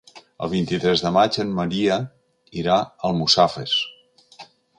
El vint-i-tres de maig en Maria irà a Almussafes.